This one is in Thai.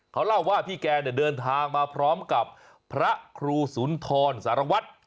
เขาเล่าว่าพี่แกเดินทางมาพร้อมกับพระครูสุนทรสารวัตร